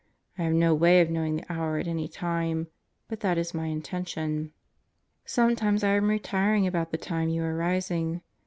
I have no way of knowing the hour at any time, but that is my intention. Sometimes I am retiring about the time you are rising.